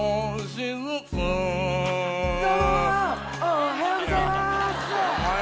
おはようございます。